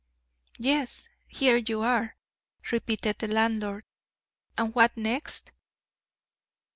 "Yes, here you are," repeated the landlord; "and what next?"